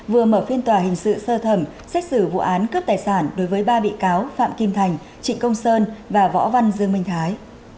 vừa mở phiên tòa hình sự sơ thẩm xét xử vụ án cướp tài sản đối với ba bị cáo phạm kim thành trịnh công sơn và võ văn dương minh thái